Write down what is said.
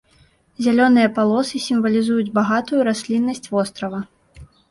Зялёныя палосы сімвалізуюць багатую расліннасць вострава.